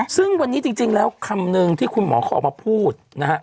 ซึ่งวันนี้จริงแล้วคำนึงที่คุณหมอเขาออกมาพูดนะฮะ